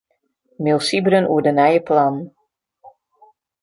Mail Sybren oer de nije plannen.